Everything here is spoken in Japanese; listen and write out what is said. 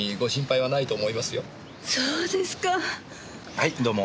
はいどうも。